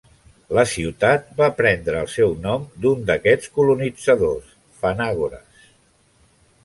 La ciutat va prendre el seu nom d'un d'aquests colonitzadors, Phanagoras.